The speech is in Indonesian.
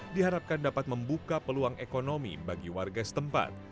diharapkan dapat membuka peluang ekonomi bagi warga setempat